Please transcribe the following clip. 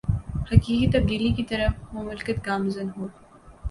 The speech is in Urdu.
حقیقی تبدیلی کی طرف مملکت گامزن ہو